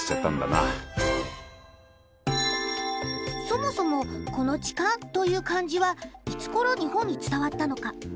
そもそもこの「痴漢」という漢字はいつごろ日本に伝わったのか。